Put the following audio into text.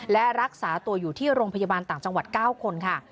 และรักษาตัวอยู่ที่โรงพยาบาลต่างจังหวัด๙คนค่ะ